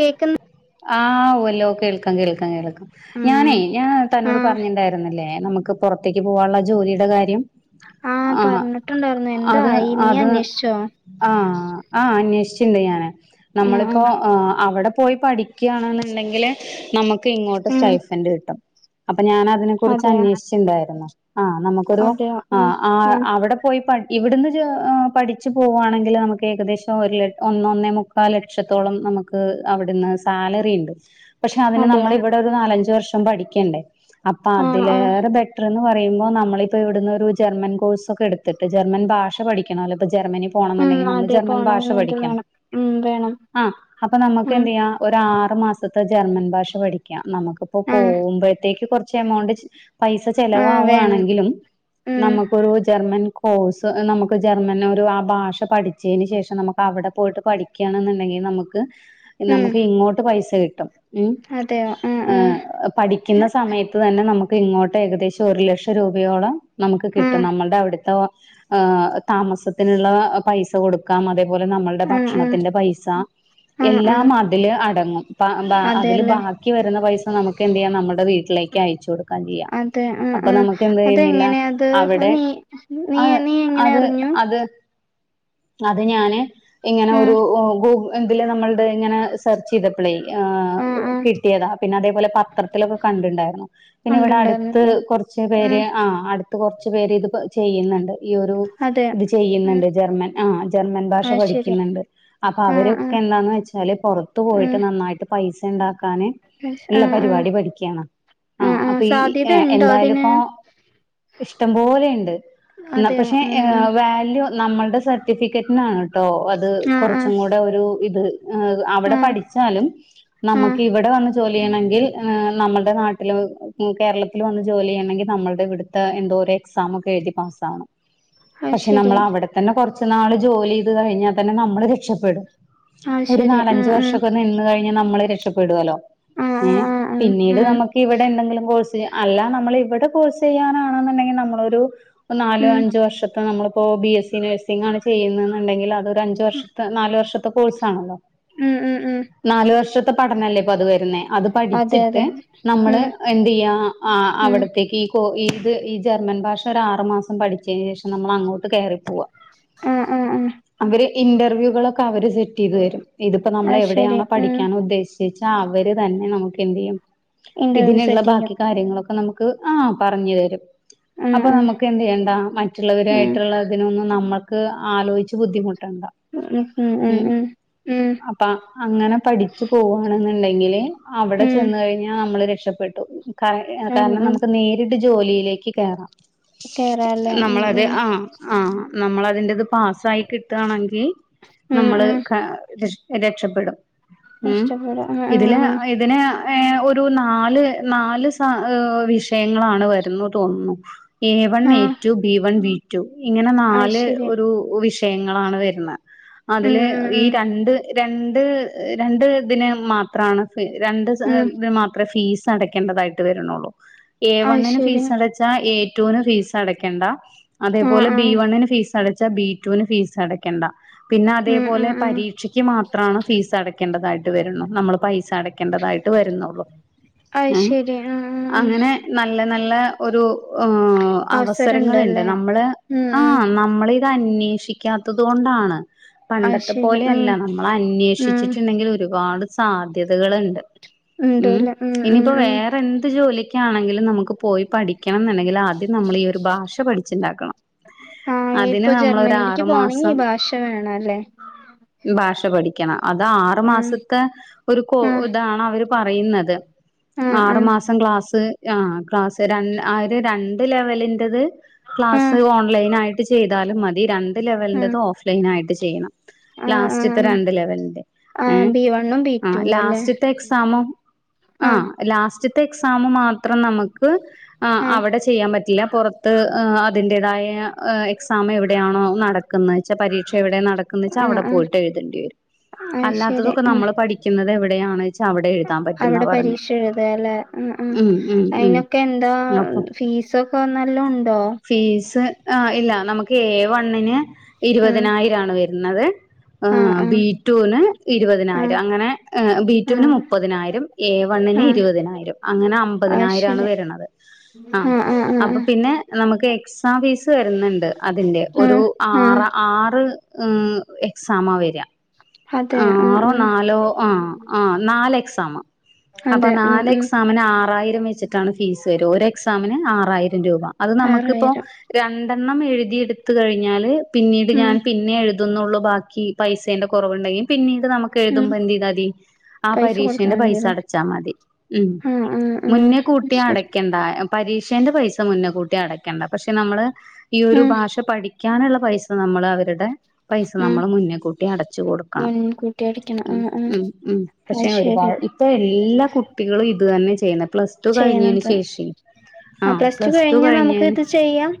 കേക്ക്ന്ന്. ആഹ് ഉവ്വല്ലോ കേൾക്കാം കേൾക്കാം കേൾ ക്കാം ഉം ഞാനേ ഞാൻ തന്നോട് ആഹ് പറഞ്ഞ്ണ്ടായിരുന്നില്ലേ നമുക്ക് പുറത്തേക്ക് പോവാനുള്ള ജോലിയുടെ കാര്യം. ആ ആഹ് പറഞ്ഞിട്ടുണ്ടായിരുന്നു എന്തായി നീ അന്വേഷിച്ചോ? ആ ആ അന്വേഷിച്ചിണ്ട് ഞാന് ഉം ഉം നമ്മളിപ്പോ എഹ് അവിടെ പോയി പഠിക്കാണെന്നുണ്ടെങ്കല് നമുക്ക് ഇങ്ങോട്ട് ഉം സ്റ്റൈഫന്റ് കിട്ടും അപ്പൊ ഞാൻ അ തിനെ കുറിച്ച് അതെയോ അന്വേഷിച്ചിണ്ടായിരുന്നു ആ നമുക്കൊരു അതെയോ ആ ഉം ആ ഉം അവിടെ പോയി പഠി ഇവിടുന്ന് പഠിച്ചു പോവാണെങ്കിൽ നമുക്ക് ഏകദേശം ഒരു ല ഒന്നൊന്നെമു ക്കാൽ ലക്ഷത്തോളം നമുക്ക് അവിടുന്ന് സാലറി ഇണ്ട് പക്ഷേ അതിന് നമ്മൾ അതെയോ ഇവിടെ ഒരു നാലഞ്ച് വർഷം പഠിക്കണ്ടേ അപ്പ ആഹ് ആഹ് അതിലേറെ ബെ റ്റർ പറയുമ്പോ നമ്മളിപ്പോ ഇവിടുന്നു ഒരു ജർമ്മൻ കോഴ്സ് ഒക്കെ എടുത്തിട്ട് ജർമ്മൻ ഭാഷ പഠി ക്കണോലോ ഇപ്പോ ജർമ്മനി പോണം ഉം എന്നുണ്ടെങ്കി നമ്മള് അതെ ജർമ്മൻ പോണം ഭാഷ അത് പഠിക്കണം. വേണം ഉം വേണം ആഹ് അപ്പോ നമ്മുക്ക് ഉം എന്തെ യ്യാം ഒരാറ് മാസത്തെ ജർമ്മെൻ ഭാഷ പഠിക്കാ നമുക്ക്പ്പോ ആഹ് പോവ്മ്പഴത്തേക്ക് കൊറ ച്ചെമൗണ്ട് പൈസ ആഹ് വേണം ചെലവാവാണെങ്കിലും ഉം നമ്മക്കൊരു ജർമ്മൻ കോഴ്സ് ഏഹ് നമുക്ക് ജർമ്മൻ ഒരു ആ ഭാഷ പഠിച്ചേന് ശേഷം നമുക്കവിടെ പോയിട്ട് പഠി ക്കാണ്ന്ന്ണ്ടെങ്കി നമുക്ക് ഉം നമുക്ക് ഇങ്ങോട്ട് പൈസ കിട്ടും ഉം അതെയോ ആഹ് ആഹ് ഏഹ് പഠിക്കുന്ന സമയ ത്ത് തന്നെ നമുക്ക് ഇങ്ങോട്ട് ഏകദേശം ഒരു ലക്ഷം രൂപയോളം നമുക്ക് ആഹ് കിട്ടും നമ്മൾടെ അവിട്ത്ത ഏഹ് താമസത്തിനുള്ള പൈസ കൊടുക്കാം അതേപോലെ നമ്മളുടെ ആഹ് ആഹ് ഭക്ഷണത്തിന്റെ പൈസ ആഹ് ആഹ് എല്ലാം അതില് അടങ്ങും ഇപ്പൊ അതില് അതെല്ലേ ബാക്കി വരുന്ന പൈസ നമുക്ക് എന്തെയ്യാം നമ്മുടെ വീട്ട് ലേക്ക് അയച്ച് കൊടുക്കാൻ ചെയ്യാം അതെ ആഹ് അപ്പൊ ആഹ് നമുക്ക് എന്ത് ചെയ്യുന്നില്ല അതെങ്ങനെ അത് അവിടെ നീ നീ അഹ് നീ എങ്ങനെ അത് അറിഞ്ഞു അത് അത് ഞാന് ഇങ്ങനെ ഉം ഒരു ഇതില് നമ്മളുടെ ഇങ്ങനെ സെർച്ചെയ്തപ്പളേ ഏഹ് ആഹ് ആഹ് കിട്ടിയതാ പിന്നതേപോലെ പത്രത്തിലൊക്കെ കണ്ട്ണ്ടാര്ന്നു പിന്നെ വടെട്ത്ത് കണ്ടിണ്ടായിരുന്നല്ലേ കൊറ്ച്ച് ഉം പേര് ആഹ് അട്ത്ത് കൊറ്ച്ച പേര് ഇത്പ്പോ ചെയ്യ്ന്ന്ണ്ട് ഈ ഒരു അതെ ഇത് ഉം ചെയ്യ്ന്ന്ണ്ട് ജെർമ്മൻ ആഹ് ജെർമ്മൻ ഭാഷ അത് ശരി പഠിക്ക്ന്ന്ണ്ട് ആഹ് അപ്പവരൊക്കെ ആഹ് എന്താന്ന് വെച്ചാല് പൊർത്ത് പോയിട്ട് ഉം നന്നായിട്ട് പൈസണ്ടാക്കാന് ഇള്ള ആഹ് ആഹ് പരിപാടി പഠിക്കാണ് ആഹ് അപ്പൊ ഈ സാധ്യത എ ഉണ്ടോ എന്തായാലും അതിന് പ്പൊ ഇഷ്ടം പോലെയ്ണ്ട് ന്നാ അതെയോ പക്ഷെ ഉം ഉം വാല്യൂ നമ്മൾടെ സർട്ടിഫിക്കറ്റിനാണ് ട്ടോ അത് ആഹ് ആഹ് കൊറ്ച്ചും കൂടെ ഒരു ഇത് ഹേ അവടെ ആഹ് പഠിച്ചാലും ആഹ് നമ്മക്കിവടെ വന്ന് ജോല്യയ്യെണെങ്കിൽ നമ്മൾടെ നാട്ടിലും ഉം കേരളത്തിൽ വന്ന് ജോല്യെയ്യെണെങ്കിൽ നമ്മൾടെവ്ട് ത്ത് എന്തോരെക്സാമൊക്കെഴ്തി പാസ്സാവണം അത് പക്ഷെ ശരി നമ്മള് അവിടെതന്നെ കൊർച്ച് നാള് ജോല്യെയ്ത് കഴിഞ്ഞാ തന്നെ നമ്മൾ രെക്ഷപ്പെടും അത് ഒരു ശരി ആഹ് നാലഞ്ച് ആഹ് വർഷൊക്കെ നിന്ന് കഴിഞ്ഞാ നമ്മള് രക്ഷപ്പെടോല്ലോ ആഹ് ഏഹ് ആഹ് ആഹ് ആഹ് പിന്നീട് ഉം നമ്മക്കിവടെന്തെങ്കിലും കോഴ്സ് അല്ലാ നമ്മളിവടെ കോഴ്സ് ചെയ്യാനാണെന്ന്ണ്ടെങ്കി നമ്മളൊരു നാലോ അഞ്ചോ വർഷ ത നമ്മൾപ്പോ ബി എസ് സി നെഴ്സിങ്ങാണ് ചെയ്യ്ന്നെന്ന്ണ്ടെങ്കിൽ അതൊര് അഞ്ച് വർഷത്തെ നാല് വർഷത്തെ കോഴ്സാണല്ലോ ഉം ഉം ഉം ഉം നാല് വർഷത്തെ പഠനല്ലേപ്പത് വരുന്നേ അത് അതെ പഠിച്ചിട്ട് അതെ ഉം നമ്മള് എന്തെയ്യാ ആഹ് ഉം അവിടെത്തേക്ക് പ്പോ ഈത് ഈ ജെർമ്മെൻ ഭാഷൊരാറ് മാസം പഠ്ച്ചേനേഷം നമ്മളങ്ങോട്ട് കേറിപ്പോവാ ആഹ് ആഹ് ആഹ് അവര് ഇന്റർവ്യൂകളൊക്കെ അവര് സെറ്റെയ്തെരും ഇതിപ്പോ അത് ശരി നമ്മളെവിടെയാണോ ഉം പഠിക്കാനുദ്ദേശ് [unintelligible] ച്ചവര് തന്നെ നമുക്കെന്തെയ്യും ഇന്റർവ്യൂ ഇതിനുള്ള സെറ്റ് ചെയ്യും ബാക്കി കാര്യങ്ങളൊക്കെ നമു ക്ക് ആഹ് പറ്ഞ്ഞെരും ഉം അപ്പം ഉം നമുക്കെന്തെയ്യെണ്ടാ ഉം മറ്റുള്ളവരായ്ട്ടുള്ളതിനൊന്നും നമ്മൾ ക്ക് ആലോയ്ച്ച് ബുദ്ധിമുട്ടണ്ട ഉം ഉം ഉം ഉം ഉം അപ്പാ അങ്ങനെ പഠിച്ചു പോവാണ്ന്ന്ണ്ടെങ്കില് അവിടെ ചെന്ന് ഉം കഴിഞ്ഞാ നമ്മൾ രെക്ഷപ്പെട് കയ് ഉം കാരണം ഉം നമുക്ക് നേരിട്ട് ജോലിയിലേക്ക് കേറാം കേറാല്ലേ ഉം നമ്മളത് ഉം ആഹ് ആഹ് നമ്മളതിന്റെത് പാസ്സായി കിട്ടാണെങ്കി ഉം നമ്മള് ഉം ക രക്ഷ് രക്ഷപ്പെടും ഉം കഷ്ടപ്പെടാ ആഹ് ആഹ് ഇതില് ആഹ് ഇതിനാ ഏയ് ഒരു നാല് നാല് സാ ഏ വിഷയങ്ങളാണ് വരുന്ന് തോന്നുന്നു ഏവൺ ആഹ് ഏറ്റു ബീ വൺ ബീറ്റു ഇങ്ങനെ അത് നാല് ശരി ഒരു വിഷയങ്ങളാണ് വെര്ണെ ഉം അതില് ഉം ഈ ഉം രണ്ട് രണ്ട് രണ്ട് തിന് മാത്രാണ് രണ്ട് ഉം ത് മാത്രേ ഫീസടക്കേണ്ടതായ്ട്ട് വര്ണൊള്ളൂ ഏ അത് വണ്ണിന് ശരി ഫീസടച്ചാ ഏറ്റൂന് ഫീസ്ടക്കണ്ട ആഹ് അതേപോലെ ആഹ് ബീവണ്ണിന് ഫീസ് സടച്ചാ ബീറ്റൂന് ഫീസടക്കണ്ട ഉം ഉം പിന്നതേപോലെ ഉം പരീക്ഷയ്ക്ക് മാത്രമാണ് ഫീസ്ടക്കേണ്ടതായ്ട്ട് വരുന്നു നമ്മൾ പൈസ അടക്കേണ്ടതായിട്ട് വരുന്നൊള്ളു അയ്ശെരി ആഹ് അങ്ങനെ നല്ല നല്ല ഒരു ഓ അവസരം അവസരങ്ങള്ണ്ട് ഇണ്ടല്ലേ നമ്മളെ ഉം ഉം ആഹ് നമ്മളിത് അന്വേഷിക്കാത്തത് കൊണ്ടാണ് പണ്ട അത് ശരി അതുപോലെ ഉം അല്ല നമ്മള് ഉം അന്വേഷിച്ചിട്ടുണ്ടെങ്കിൽ ഒരുപാട് സാധ്യതകള്ണ്ട് ഉം ഉണ്ടല്ലേ ഉം ഇനിപ്പോ ഉം വേറെന്ത് ജോലി ക്കാണെങ്കിലും നമുക്ക് പോയി പഠിക്കണം എന്നുണ്ടെങ്കിൽ ആദ്യം നമ്മള് ഈ ഒരു ബാഷ പഠിച്ചിണ്ടാക്കണം ആഹ് ഇപ്പൊ ജർമ്മനിയിലേക്ക് പോണെങ്കി ഈ ബാഷ വേണല്ലേ ബാഷ പഠിക്കണം അത് ആറു ഉം മാസത്തെ ഒരു കോ ഉം ഇതാണ് അവര് പറയ്ന്നത് ആഹ് ആറ് ആഹ് മാസം ക്ലാസ് ആഹ് ക്ലാസ് രൺ ആഹ് ഒര് രണ്ട് ലെവലിൻറത് ആഹ് ക്ലാസ്സ് ഓൺലൈനായിട്ട് ചെയ്താലും മതി രണ്ട് ആഹ് ലെവലിൻറത് ഓഫ്‌ലൈൻ ആയിട്ട് ചെയ്യണം ആഹ് ലാസ്റ്റ്ത്തെ ആഹ് രണ്ട് ലെവലിന്റെ ആഹ് ഏഹ് ബി വണ്ണും ബി ആഹ് ടുവും അല്ലേ ലാസ്റ്റ്ത്തെ എക്സാമും ആഹ് ലാസ് റ്റ്ത്തെ എക്സാമ് മാത്രം നമ്മക്ക് ആഹ് അവിടെ ചെയ്യാൻ പറ്റില്ല പൊറത്ത് ങ് അതിന്റേതായ ഏഹ് എക്സാം എവിടെയാണോ നടക്കുന്നേച്ചാ പരീക്ഷ എവിടെ ക്കുന്നേച്ചാ ആഹ് അവടെ ആഹ് പോയിട്ട് എഴുതേണ്ടി വരും. അത് ശരി അല്ലാത്തതൊക്കെ ഉം നമ്മള് പഠിക്കുന്നത് എവിടെയാണ് വെച്ചാ അവിടെ എഴുതാൻ പറ്റുന്നാ അവിടെ പറഞ്ഞെ പരീക്ഷ എഴുതാല്ലേ ഉം ഉം ഉം ഉം അയിനൊക്കെ എന്താ അപ്പൊ ഫീസൊക്കെ നല്ല ഉണ്ടോ ഫീസ് ആഹ് ഇല്ല നമുക്ക് എ വണ്ണിന് ഉം ഇരുപതിനായിരം ആണ് വര്ണത് ആഹ് ബി ടു വിന് ഇരുപതിനായിരം ആഹ് അങ്ങനെ ബി ടു വിന് ആഹ് മുപ്പതിനായിരം എ വണ്ണിന് ആഹ് ഇരുപതിനായിരം അങ്ങനെ അത് അമ്പതിനായിരം ആണ് ശരി വര്ണത് ആഹ് അപ്പ പിന്നെ നമക്ക് എക്സാം ഫീസ് വരുന്നുണ്ട് അതിന്റെ. ഒരു ആഹ് ആഹ് ആറ ആറ് ങ് എക്സാമാ വര അതെ ആഹ് ആറോ ആഹ് നാലോ ആഹ് ആഹ് നാല് എക്സാമ അപ്പ അതെ ഉം നാല് ഉം എക്സാമിന് ആറായിരം വെച്ചിട്ട് റ്റണ് ഫീസ് വരും. ഒര് എക്സാമിന് ആറായിരം രൂപ. അത് നമുക്കിപ്പൊ ആറായിരം രണ്ടെണ്ണം എഴുതി ഇട്ത്ത് കഴിഞ്ഞാല് പിന്നീട് ഉം ഞാൻ എഴുതുന്നുള്ളു ബാക്കി പൈസേന്റെ കൊറവുണ്ടെങ്കി പിന്നീട് നമ്മ ക്ക് ഉം എഴുതുമ്പ എന്ത് ചെയ്താതി ആഹ് പൈസ കൊടുത്താ പരീക്ഷേന്റെ പൈസ മതിയല്ലേ അടച്ചാ മതി. ഉം ആഹ് ആഹ് മുന്നേ ആഹ് കൂട്ടി ശരി അടക്കെണ്ട പരീക്ഷേന്റെ പൈസ മുന്നേ കൂട്ടി അടക്കണ്ട. പക്ഷെ നമ്മള് ഈ ഒരു ഉം ഭാഷ പഠി ക്കാനുള്ള പൈസ നമ്മള് അവര്ടെ പൈസ ഉം നമ്മള് മുന്നേ കൂട്ടി അടച്ചു കൊടുക്കണം മുൻകൂട്ടി അടിക്കണം ഉം ആഹ് ആഹ് ഉം ഉം അത് പക്ഷെ ഒരുപാ ശരി ഇപ്പ എല്ലാ കു ട്ടികളും ഇതു തന്നെ ചെയ്യുന്നേ. പ്ലസ് ടു കഴിഞ്ഞേന് ചെയ്യണത് ശേഷേ ആ ആഹ് പ്ലസ് ടു കഴിഞ്ഞാ നമുക്ക് കഴിഞ്ഞേന് ഇത് ചെയ്യാം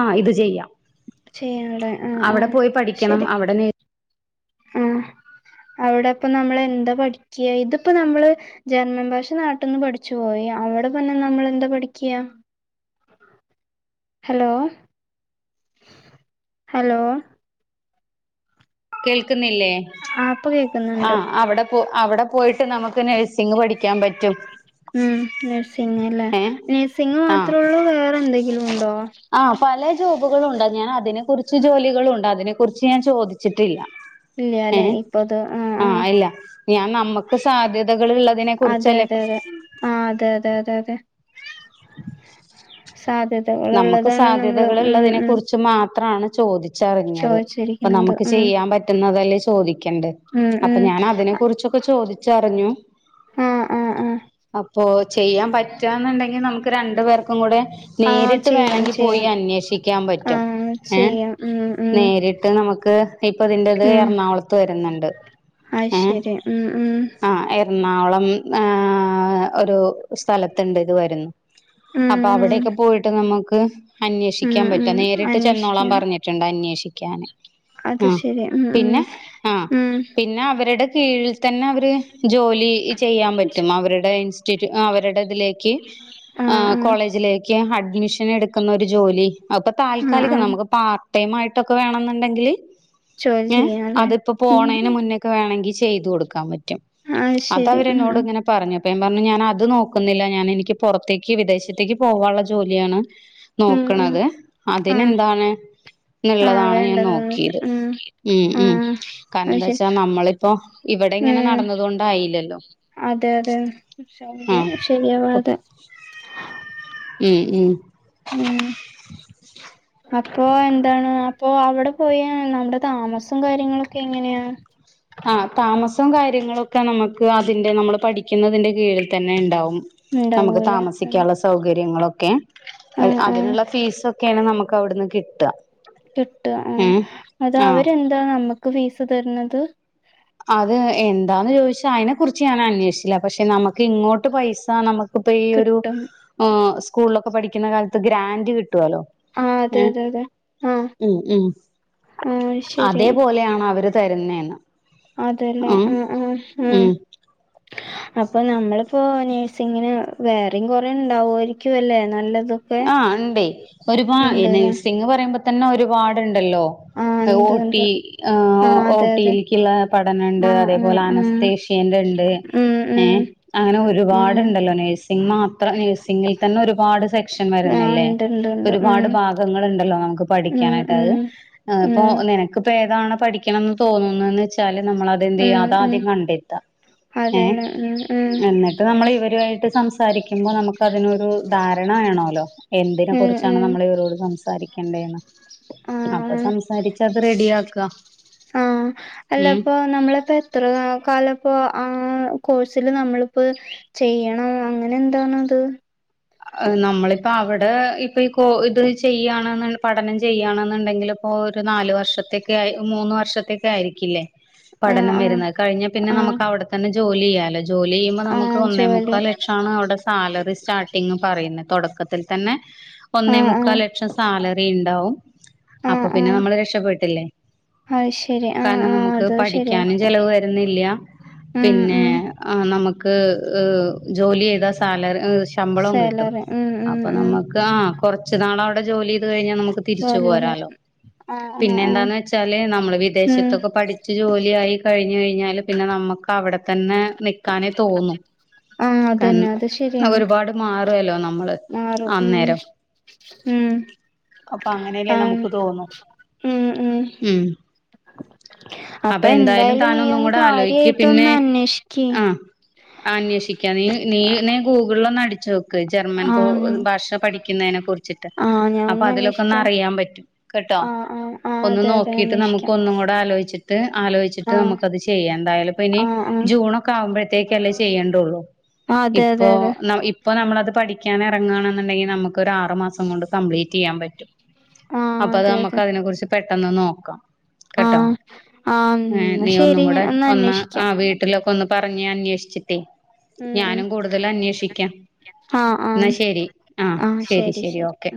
ആഹ് ഇത് ചെയ്യാം ചെയ്യാല്ലേ ആഹ് അവിട ആഹ് പോയി പഠിക്കണം ശരി അവിട നേ അവിട ഇപ്പം നമ്മള് എന്താ പഠിക്ക്‌യാ ഇതിപ്പ നമ്മള് ജർമ്മൻ ഭാഷ നാട്ടിന്ന് പഠിച്ചുപോയി അവടെ പിന്നെ നമ്മള് എന്താ പഠിക്ക് ഹലോ ഹലോ കേൾക്കുന്നില്ലേ ആ ഇപ്പൊ കേക്കുന്നുണ്ട് ആഹ് അവട പോ അവടെ പോയിട്ട് നമുക്ക് നേഴ്സിങ് പഠിക്കാൻ പറ്റും ഉം നഴ്സിങ് അല്ലേ ഏഹ് നഴ്സിങ് ആഹ് മാത്രേ ഒള്ളൂ വേറെ എന്തെങ്കിലും ഇണ്ടോ? ആഹ് പല ജോബുകളും ഒണ്ട് ഞാൻ അതിനെ കുറിച്ച് ജോലികളുണ്ട് അതിനെ കുറിച്ച് ഞാൻ ചോദിച്ചിട്ടില്ല ഇല്ല അല്ലെ ഏഹ് ഇപ്പത് ആ ആ ആഹ് ഇല്ല ഞാൻ നമ്മക്ക് സാധ്യതകള്‌ ഇള്ള അതെ അതെ അതെ ആഹ് അതെ അതെ അതെ അതെ സാധ്യ നമ്മക്ക് സാധ്യതകൾ ഇള്ളതിനെ കുറിച്ച് മാത്ര ആണ് ചോദി ച്ചറിഞ്ഞത് പ്പം ചോദിച്ചിരിക്കുന്നത് നമ്മക്ക് ഉം ചെയ്യാൻ പറ്റുന്നതല്ലേ ചോദിക്കണ്ടെ ഉം അപ്പം ഉം ഞാൻ അതിനെ കുറിച്ചൊക്കെ ചോദിച്ചറിഞ്ഞു ആ ആ ആ അപ്പോ ചെയ്യാ പറ്റന്നുണ്ടെങ്കിൽ നമുക്ക് രണ്ടു പേർക്കുകൂടെ ആ നേരിട്ട് ട്ട് ചെയ്യാം വേണെങ്കി പോയി ചെയ്യാം ആ അന്വേഷിക്കാപറ്റും ഏഹ് ചെയ്യാം ഉം ഉം നേരിട്ട് നമക്ക് ദേ ഇപ്പതിൻ്റെത് ഉം എർണാകുളത്ത് വെരുന്നുണ്ട് അത് ഏഹ് ശരി ഉം ഉം ആഹ് എർണാകുളം ഏഹ് ഒരു സ്ഥലത്തുണ്ട് ഇത് വരുന്ന് ഉം അപ്പൊ ഉം അവിടെക്കെ പോയിട്ട് നമുക്ക് ഉം അന്വേഷിക്കാൻ ഉം പറ്റും നേരിട്ട് ചെന്നോളാൻ അന്വേഷിക്കാം പറഞ്ഞ് ട്ടൊണ്ട് അന്വേഷിക്കാന് അത് ആഹ് ശരി ഉം ഉം പിന്നെ ആഹ് ഉം പിന്നെ അവരടെ കീഴിൽ തന്നെ അവര് ജോലി ചെയ്യാൻ പറ്റും അവരുടെ ഇൻസ്റ്റിറ്റ്യൂ ആ അവരുടെതിലേക്ക് ആ ആഹ് ആ കോളേജിലേക്ക് അഡ് നെടുക്കുന്നൊരു ജോലി അപ്പൊ ആഹ് താൽക്കാലിക ആഹ് നമുക്ക് പാർട്ട്ടൈമായിട്ടൊക്കെ വേണെന്നുണ്ടെങ്കില് ജോലി ഏഹ് ചെയ്യാല്ലേ അതിപ്പോ ഉം പോണേന് മുന്നേ ക്കെ വേണെങ്കി ചെയ്തു കൊടുക്കാൻ പറ്റും അത് ശരി ഉം ഉം അതവരെന്നോടിങ്ങനെ പറഞ്ഞപ്പോ ഞാൻ പറഞ്ഞു ഞാൻ അത് നോക്കുന്നില്ല ഞാൻ എനിക്ക് പൊറത്തേക്ക് വിദേശത്തേക്ക് പോവാനുള്ള ജോ ജോലിയാണ് ഉം ഉം നോക്കണത് ആഹ് അതിനെന്താണ് ആഹ് ന്ന്ള്ളതാണ് ഞാൻ വേണ്ടല്ലോ നോക്കിയത് ഉം ഉം ഉം ആഹ് അത് കാരണന്താച്ചാ ശരി നമ്മളിപ്പോ ഇവിടെ ഇങ്ങനെ നടന്നത് കൊണ്ടായില്ലല്ലോ അതെയതെ ആഹ് [unintelligible] ശരിയാവാതെ ഉം ഉം അപ്പോ എന്താണ് അപ്പൊ അവടെ പോയാ നമ്മുടെ താമസം കാര്യങ്ങളൊക്കെ എങ്ങനെയാ ആഹ് താമസോം കാര്യങ്ങളൊക്കെ നമ്മക്ക് അതിന്റെ നമ്മള് പഠിക്കുന്നതിന്റെ കീഴിൽ തന്നെ ഇണ്ടാവും നമ്മക്ക് ഉണ്ടാവൂല ഉം താമസിക്കാനൊള്ള സ സൗകര്യങ്ങളൊക്കെ അഹ് ആഹ് ആഹ് അതിനൊള്ള ഫീസൊക്കൊണ് നമ്മക്കവിടുന്ന് കിട്ടാ കിട്ടാ ആഹ് അത് അവരെന്താ നമ്മക്ക് ഫീസ് തരുന്നത് അത് എന്താന്ന് ചോയിച്ചാ അയിനെ കുറിച്ച് ഞാൻ അന്വേഷില്ല പക്ഷെ നമുക്കിങ്ങോട്ട് പൈസ നമക്ക് ഇപ്പൊ ഈയൊരു കിട്ടും ഏഹ് സ്കൂൾലൊക്കെ പഠിക്കുന്ന കാലത്ത് ഗ്രാന്റ് കിട്ടുവല്ലോ ആഹ് അതെ ഏഹ് അതെ അതെ ആഹ് ഉം ഉം ആഹ് ശരി അതേപോലെയാണ് അവര് തെര്ന്നേന്ന് അതെല്ലേ ആഹ് ആഹ് ഉം അപ്പൊ നമ്മളിപ്പോ നേഴ്സിങ്ങിന് വേറെയും കൊറേണ്ടാവാരിക്ക്വല്ലേ നല്ലത് ആഹ് ഇണ്ടേ ഒരുപാ ഈ നേസിംഗ് പറയുമ്പോ തന്നെ ഒരുപാട്ണ്ടല്ലോ ആ ഏഹ് ഉണ്ട് ഉണ്ട് ഓട്ടി ആ ഏഹ് അതെ അതെ ഓട്ടിയിലേക്കുള്ള പഠനണ്ട് ആ ആ അതേപോലെ ആ അനസ്തേ ഷ്യന്റെണ്ട് ഉം ഏഹ് ഉം അങ്ങനെ ഉം ഒരുപാട്ണ്ടല്ലോ നേഴ്സ് സിംഗ് മാത്രം നേഴ്‌സിങ്ങിൽ തന്നെ ഒരുപാട് സെ ക്ഷൻ ആ വരുന്നില്ലേ ഉണ്ട് ഉണ്ട് ഉണ്ട് ഉം ഒരുപാട് ഭാഗങ്ങള്ണ്ടല്ലോ നമുക്ക് ഉം പഠിക്കാനായിട്ട് അത് ഉം ഏഹ് ഉം ഇപ്പൊ നിനക്കിപ്പോ ഏതാണ് പഠിക്കണംന്ന് തോന്നുന്നെന്ന്ച്ചാ ച്ചാല് ഉം നമ്മളതെന്തെയ്യാ ഉം അതാദ്യം കണ്ടെത്ത്വാ ഏഹ് അതെല്ലേ ഉം ഉം എന്നി ട്ട് നമ്മളിവര്വാട്ട് സംസാരിക്കുമ്പോ നമ്മക്കതിനൊരു ധാരണ വേണല്ലോ എന്തിനെ ഉം കുറിച്ചാണ് ഉം നമ്മളിവരോട് സംസാരിക്കണ്ടേന്ന് ആ അപ്പൊ സംസാരിച്ചത് റെഡിയാക്ക്വാ ഉം പ്പൊ നമ്മളിപ്പോ എത്ര കാ കാലപ്പോ ആ കോഴ്സില് നമ്മളിപ്പോ ചെയ്യണോ അങ്ങനെന്താണത് നമ്മളിപ്പ അവടെ ഇപ്പൊ ഈ കോ ഇത് ചെയ്യാണ്ന്ന് പഠനം ചെയ്യാണ്ന്ന്ണ്ടെങ്കില് ഇപ്പോരു നാലുവർഷത്തേക്കായ് മൂന്ന് വർഷത്തേക്കായ്രിക്കില്ലേ ആ പഠനം ആ വെരുന്നെ അത്‌ കഴിഞ്ഞാ പിന്നെ ആ നമക്കവിടെ തന്നെ ജോലി ചെയ്യാലോ ജോലിചെയ്യുമ്പോ ന ആ നമുക്ക് ജോലി ഒന്നേമുക്കാലക്ഷാണ് അവടെ സാലറി സ്റ്റാർട്ടിങ്ങ് പറയ്ന്നെ തൊടക്ക ത്തിൽ തന്നെ ആ ആ ഒന്നേമുക്കാൽലക്ഷം സാലറി ഇണ്ടാവും അപ്പൊ ആഹ് പിന്നെ ആഹ് നമ്മള് രക്ഷപപ്പെട്ടില്ലേ അത് ശെരി ആഹ് കാരണം ആഹ് നമക്ക് അത് ശെരിയാ പഠിക്കാനും ചെലവ് വരുന്നില്ല ഉം പിന്നെ ഉം ആഹ് നമുക്ക് ഏഹ് ജോലി ചെയ്താ സാലറി ശമ്പളവും കിട്ടും സാലറി ഉം ഉം അപ്പൊ ഉം നമുക്ക് ആഹ് കൊറച്ച് നാൾ അവിടെ ജോലി ചെയ്ത് കഴിഞ്ഞാൽ നമുക്ക് തിരിച്ചു ജോലിയില് പോരാലോ ആഹ് ആഹ് പിന്നെ ആഹ് എന്താന്ന് വെച്ചാല് നമ്മള് ഉം വിദേശത്തൊക്കെ പഠ ഠിച്ച് ജോലി ആയി കഴിഞ്ഞു കഴിഞ്ഞാൽ പിന്നെ നമുക്ക് അവിടെത്തന്നെ നിക്കാനെ തോന്നു ആഹ് കൻ അതന്നെ അത് ശെരിയാണ് ഒരുപാട് മാറല്ലോ നമ്മള് മാറും ഉം അന്നേരം ഉം അപ്പൊ അങ്ങനെക്കെ ആഹ് നമുക്ക് തോന്നും ഉം അപ്പൊ എന്തായാലും താൻ നീ ഒന്നും ഒന്ന് കൂടെ ആലോചിക്ക് പിന്നെ കാര്യായിട്ടൊന്ന് അന്വേഷിക്ക് ആഹ് അന്വേഷിക്കാ നീ നീ എന്നെ ഗൂഗിളിൽ ഒന്ന് അടിച്ചു നോക്ക്‌ ജർമ്മൻ ആഹ് ഭാഷ പഠിക്കുന്നതിനെ കുറിച്ചിട്ട് ആഹ് ഞാൻ അപ്പൊ അതിലൊക്കെ ഒന്ന് അന്വേഷിക്കാം അറിയാൻ പറ്റും കേട്ടോ ആഹ് ആഹ് ആഹ് ഒന്ന് അതെ അതെ നോക്കിട്ട് നമുക്ക് അന്വേഷിക്കാം ഒന്നും കൂടെ ആലോചിച്ചിട്ട് ട്ട് ആലോചിച്ചിട്ട് ആഹ് നമുക്കത് ചെയ്യാം എന്തായാലും ഇപ്പ ഇനി ആഹ് ആഹ് ജൂണൊക്കെ ആവുമ്പഴത്തേക്കല്ലേ ചെയ്യേണ്ടുള്ളൂ അതെ അതെ ഇപ്പൊ അതെ ഇപ്പൊ നമ്മളത് പഠിക്കാൻ ഇറങ്ങുകയാണെന്നുണ്ടെങ്കിൽ നമുക്ക് ഒരു ആറ് മാസം കൊണ്ട് കംപ്ലീറ്റ് ചെയ്യാൻ പറ്റും ആഹ് അപ്പ അത് അതെ നമ്മുക്ക് അതെ അതിനെ കുറിച്ച് പെട്ടെന്ന് നോക്കാം കേട്ടോ ആഹ് ആഹ് ഏ എന്നാ നീ ഒന്നും ശെരി ഞാൻ കൂടെ ഒന്ന് ആ അന്വേഷിക്കാം വീട്ട വീട്ടിലൊക്കെ ഒന്ന് പറഞ്ഞ് അന്വേഷിച്ചിട്ടേ ഉം ഉം ഞാനും കൂടുതൽ അന്വേഷിക്കാം ആഹ് എന്നാ ആഹ് ശരി ആഹ് ശരി ശരി ഓക്കെ